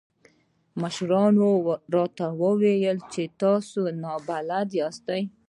مشرانو راته وويل چې تاسې نابلده ياست.